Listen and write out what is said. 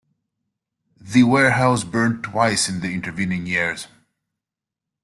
The warehouse burned twice in the intervening years.